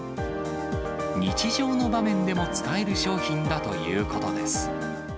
日常の場面でも使える商品だということです。